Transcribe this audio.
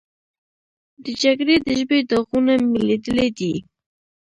د جګړې د ژبې داغونه مې لیدلي دي.